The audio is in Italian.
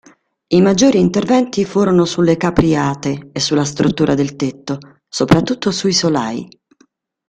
I maggiori interventi furono sulle capriate e sulla struttura del tetto, soprattutto sui solai.